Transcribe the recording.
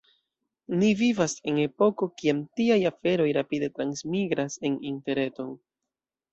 Ni vivas en epoko, kiam tiaj aferoj rapide transmigras en Interreton.